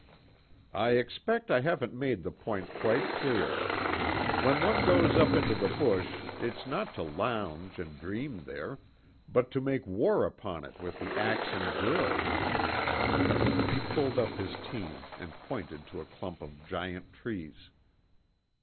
"I expect I haven't made the point quite clear. When one goes up into the bush it's not to lounge and dream there, but to make war upon it with the axe and drill." He pulled up his team and pointed to a clump of giant trees.